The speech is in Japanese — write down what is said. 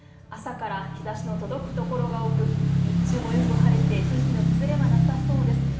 朝から日ざしの届く所が多く日中もよく晴れて天気の崩れはなさそうです。